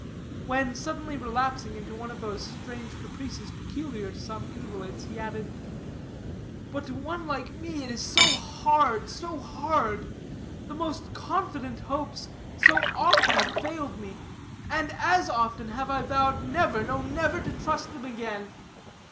When suddenly relapsing into one of those strange caprices peculiar to some invalids, he added: "But to one like me, it is so hard, so hard. The most confident hopes so often have failed me, and as often have I vowed never, no, never, to trust them again.